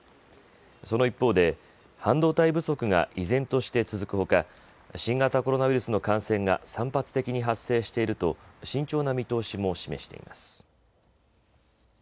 その一方で半導体不足が依然として続くほか、新型コロナウイルスの感染が散発的に発生していると慎重な見通しも示しています。